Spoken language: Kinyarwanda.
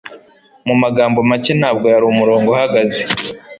Mu magambo make, ntabwo yari umurongo uhagaze.